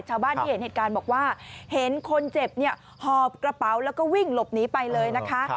ชาวบ้านที่เห็นเหตุการณ์บอกว่าเห็นคนเจ็บเนี่ยหอบกระเป๋าแล้วก็วิ่งหลบหนีไปเลยนะคะ